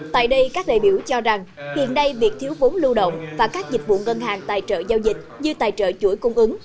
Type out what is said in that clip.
tại đây các đại biểu cho rằng hiện nay việc thiếu vốn lưu động và các dịch vụ ngân hàng tài trợ giao dịch như tài trợ chuỗi cung ứng